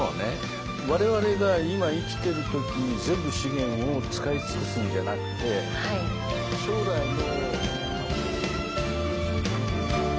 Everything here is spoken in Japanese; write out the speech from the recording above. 我々が今生きてる時に全部資源を使い尽くすんじゃなくて将来の。